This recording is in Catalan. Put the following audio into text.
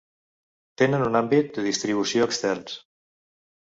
Tenen un àmbit de distribució extens.